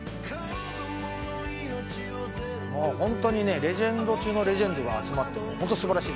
本当にレジェンド中のレジェンドが集まって素晴らしい。